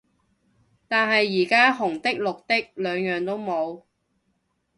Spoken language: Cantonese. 但係而家紅的綠的兩樣都冇